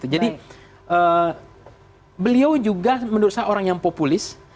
jadi beliau juga menurut saya orang yang populis